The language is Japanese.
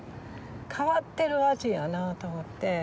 変わってる味やなあと思って。